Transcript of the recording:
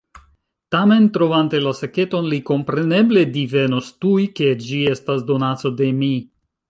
Tamen, trovante la saketon, li kompreneble divenus tuj, ke ĝi estas donaco de mi.